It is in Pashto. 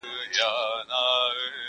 چا په غوږ کي را ویله ویده نه سې بندیوانه.!